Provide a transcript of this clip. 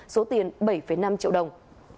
số tiền bảy năm triệu đồng